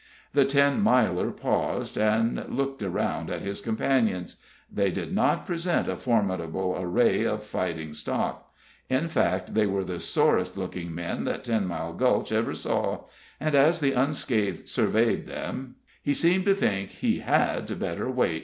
The Ten Miler paused, and looked around at his companions. They did not present a formidable array of fighting stock. In fact, they were the sorest looking men that Ten Mile Gulch ever saw; and as the unscathed surveyed them, he seemed to think he had better wait.